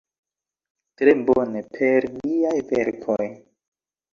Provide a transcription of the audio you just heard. Tre bone, per liaj verkoj.